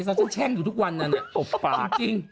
เพราะฉันแช่งอยู่ทุกวันอบปากจริง